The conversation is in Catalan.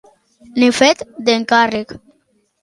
Ni fet d'encàrrec.